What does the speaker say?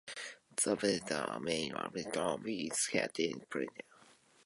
The bacteria may also enter a symbiotic relationship with certain plants.